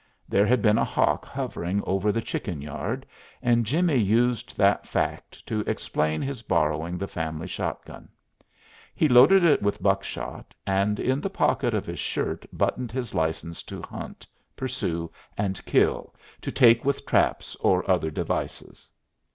There had been a hawk hovering over the chicken yard, and Jimmie used that fact to explain his borrowing the family shotgun. He loaded it with buckshot, and, in the pocket of his shirt buttoned his license to "hunt, pursue and kill, to take with traps or other devices."